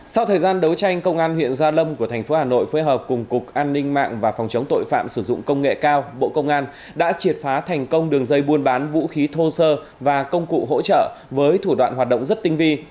sau thời gian đấu tranh công an huyện gia lâm của thành phố hà nội phối hợp cùng cục an ninh mạng và phòng chống tội phạm sử dụng công nghệ cao bộ công an đã triệt phá thành công đường dây buôn bán vũ khí thô sơ và công cụ hỗ trợ với thủ đoạn hoạt động rất tinh vi